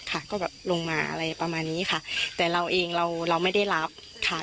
ค่ะก็แบบลงมาอะไรประมาณนี้ค่ะแต่เราเองเราเราไม่ได้รับค่ะ